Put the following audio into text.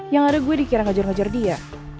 yang ada gue dikira ngejar ngejar dia